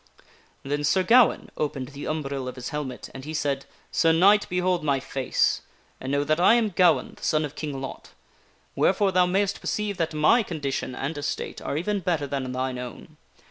Then Sir Gawaine opened the umbril of his helmet, and he said: "Sir Knight, behold my face, and know that I am Gawaine, the son of King Lot. Wherefore thou mayst perceive that my condition and estate are even better than thine own.